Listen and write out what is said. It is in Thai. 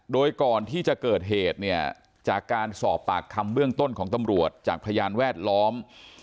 โดยก่อนที่จะเกิดเหตุเนี่ยจากการสอบปากคำเบื้องต้นของตำรวจจากพยานแวดล้อม